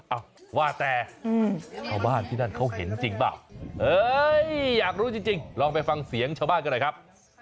อ่ะว่าแต่ชาวบ้านที่นั่นเขาเห็นจริงเปล่าเอ้ยอยากรู้จริงลองไปฟังเสียงชาวบ้านกันหน่อยครับ